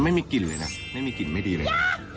ไม่มีกลิ่นเลยนะไม่มีกลิ่นไม่ดีเลยนะ